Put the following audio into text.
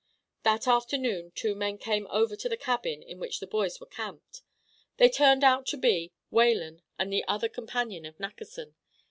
That afternoon two men came over to the cabin in which the boys were camped. They turned out to be Whalen and the other companion of Nackerson.